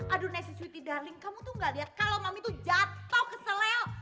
aduh nessy sweetie darling kamu tuh gak lihat kalau mami tuh jatuh kesel